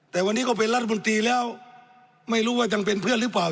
แต่วันนี้ก็เป็นรัฐมนตรีแล้วไม่รู้ว่ายังเป็นเพื่อนหรือเปล่า